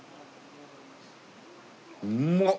うんまっ！